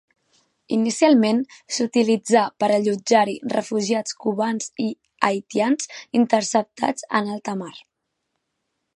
Inicialment s'utilitzà per allotjar-hi refugiats cubans i haitians interceptats en alta mar.